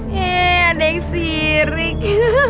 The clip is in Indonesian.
eh adek sirik